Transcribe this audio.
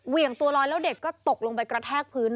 เหยียงตัวลอยแล้วเด็กก็ตกลงไปกระแทกพื้น